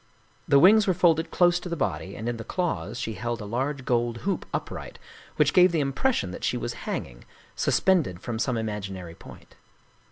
The wings were folded close to the body, and in the claws she held a large gold hoop upright, which gave the impres sion that she was hanging, suspended from some imaginary point.